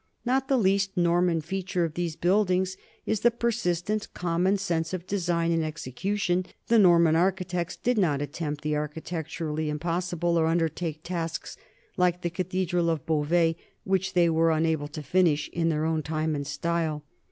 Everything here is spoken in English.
Not the least Norman feature of these buildings is the persistent common sense of design and execution; the Norman architects did not attempt the architecturally impossible or undertake tasks, like the cathedral of Beauvais, which they were unable to finish in their own time and style.